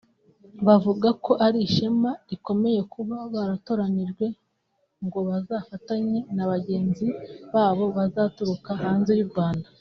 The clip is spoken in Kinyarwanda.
bavuga ko ari ishema rikomeye kuba baratoranyijwe ngo bazafatanye n’aba bagenzi babo bazaturuka hanze y’u Rwanda